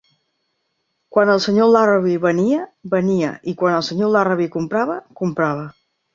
Quan el Sr. Larrabee venia, venia i quan el Sr. Larrabee comprava, comprava.